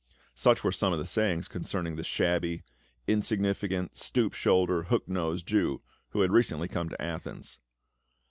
Such were some of the sayings concerning the ' shabby,' ' insignificant,' ' stoop shouldered,' * hook nosed ' Jew, who had recently come to Athens.